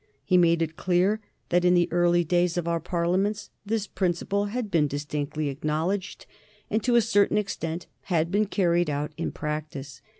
He made it clear that in the early days of our Parliaments this principle had been distinctly acknowledged, and, to a certain extent, had been carried out in practice.